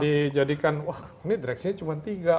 dijadikan wah ini direksinya cuma tiga